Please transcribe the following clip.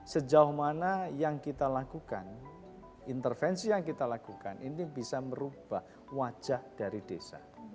sejauh mana yang kita lakukan intervensi yang kita lakukan ini bisa merubah wajah dari desa